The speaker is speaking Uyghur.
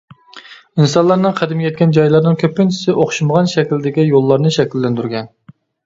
ئىنسانلارنىڭ قەدىمى يەتكەن جايلارنىڭ كۆپىنچىسى ئوخشىمىغان شەكىلدىكى يوللارنى شەكىللەندۈرگەن.